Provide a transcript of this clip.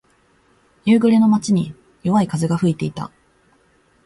夕暮れの街に、弱い風が吹いていた。